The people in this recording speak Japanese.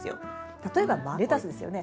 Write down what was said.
例えばレタスですよね